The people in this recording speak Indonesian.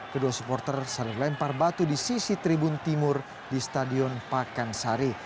kedua supporter saling lempar batu di sisi tribun timur di stadion pakansari